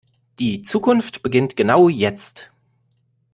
Die Zukunft beginnt genau jetzt.